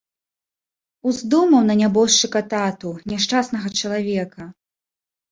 Уздумаў на нябожчыка тату, няшчаснага чалавека.